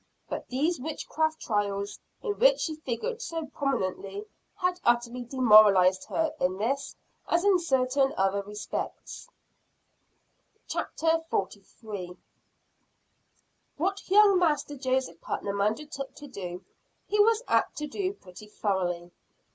But these witchcraft trials, in which she figured so prominently had utterly demoralized her in this as in certain other respects. CHAPTER XLIII. Why Thomas Putnam Went to Ipswich. What young Master Joseph Putnam undertook to do, he was apt to do pretty thoroughly.